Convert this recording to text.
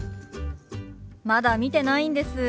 まだ見てないんです。